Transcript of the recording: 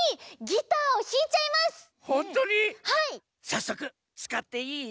さっそくつかっていい？